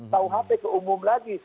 tahun hp keumum lagi